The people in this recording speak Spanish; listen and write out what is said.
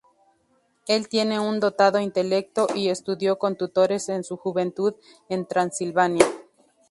Él tiene un dotado intelecto, y estudió con tutores en su juventud en Transilvania.